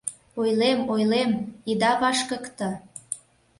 — Ойлем, ойлем — ида вашкыкте...